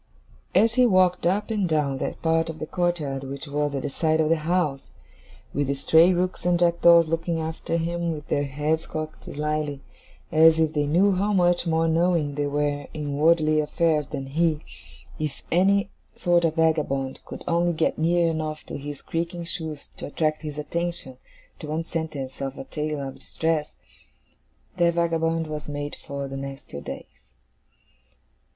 As he walked up and down that part of the courtyard which was at the side of the house, with the stray rooks and jackdaws looking after him with their heads cocked slyly, as if they knew how much more knowing they were in worldly affairs than he, if any sort of vagabond could only get near enough to his creaking shoes to attract his attention to one sentence of a tale of distress, that vagabond was made for the next two days.